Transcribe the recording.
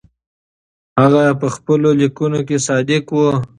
هغه په خپلو لیکنو کې صادق و.